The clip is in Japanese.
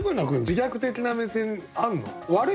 自虐的な目線あんの？